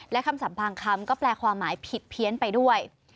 และคำสัมพางคำก็แปลความหมายผิดเพี้ยนไปด้วย